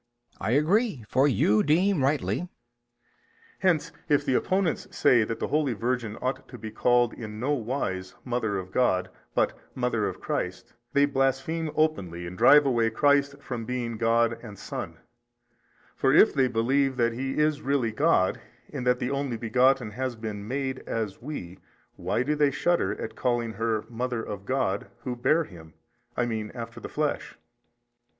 B. I agree, for you deem rightly. A. Hence if the opponents say that the holy Virgin ought to be called in no wise mother of God, but mother of Christ, they blaspheme openly and drive away Christ from being God and Son: for if they believe that He is really God, in that the Only Begotten has been MADE as we, why do they shudder at calling her mother of God, who bare Him, I mean after the flesh?